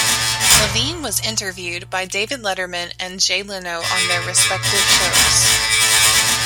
Levine was interviewed by David Letterman and Jay Leno on their respective shows.